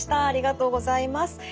ありがとうございます。